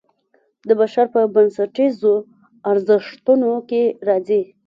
د بشر په بنسټیزو ارزښتونو کې راځي.